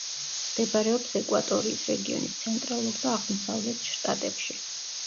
მდებარეობს ეკვატორიის რეგიონის ცენტრალურ და აღმოსავლეთ შტატებში.